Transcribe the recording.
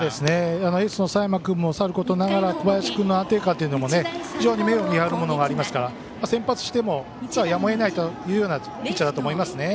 エースの佐山君もさることながら小林君の安定感も非常に目を見張るところもありますから先発してもやむを得ないかなというようなピッチャーだなと思いますね。